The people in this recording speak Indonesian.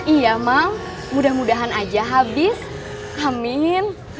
iya mam mudah mudahan aja habis amin